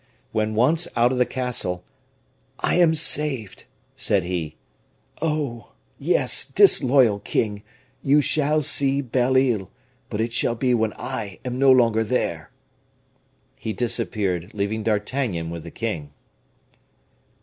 When once out of the castle, "I am saved!" said he. "Oh! yes, disloyal king, you shall see Belle Isle, but it shall be when I am no longer there." He disappeared, leaving D'Artagnan with the king.